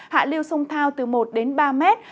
hạ liêu sông thao từ một ba m